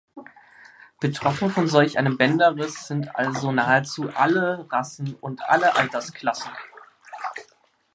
Betroffen von solch einem Bänderriss sind also nahezu alle Rassen und alle Altersklassen.